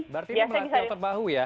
berarti melatih otot bahu ya